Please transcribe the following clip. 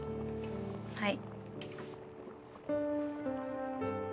はい。